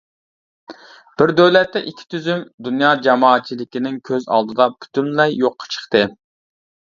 «بىر دۆلەتتە ئىككى تۈزۈم»دۇنيا جامائەتچىلىكىنىڭ كۆز ئالدىدا پۈتۈنلەي يوققا چىقتى.